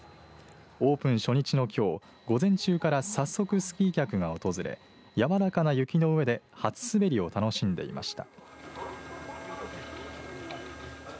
オープン初日のきょう午前中から早速スキー客が訪れ柔らかな雪の上で初滑りを楽しんでいました。